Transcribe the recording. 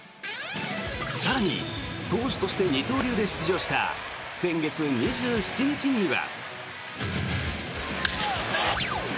更に、投手として二刀流で出場した先月２７日には。